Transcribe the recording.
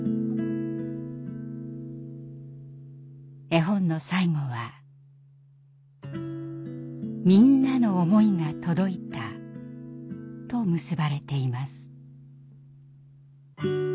絵本の最後は「みんなのおもいがとどいた」と結ばれています。